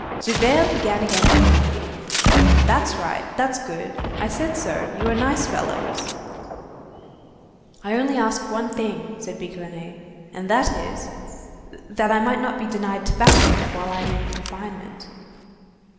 Javert began again calmly:— "That's right, that's good, I said so, you are nice fellows." "I only ask one thing," said Bigrenaille, "and that is, that I may not be denied tobacco while I am in confinement."